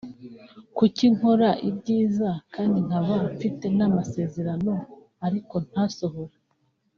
“Kuki nkora ibyiza kandi nkaba mfite n’ amasezerano ariko ntasohore